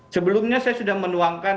sebelumnya saya sudah menuangkan